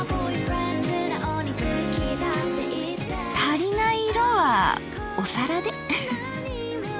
足りない色はお皿で。